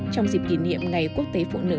trong dịp kỷ niệm ngày quốc tế phụ nữ